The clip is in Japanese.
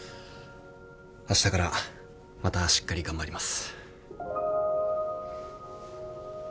あしたからまたしっかり頑張ります。